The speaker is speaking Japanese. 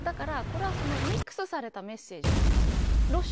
だから、これはミックスされたメッセージなんです。